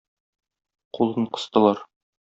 Кулын кыстылар.